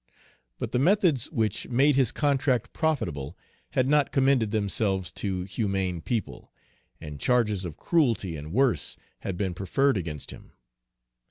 But the methods which made his contract profitable had not commended themselves to humane people, and charges of cruelty and worse had been preferred against him.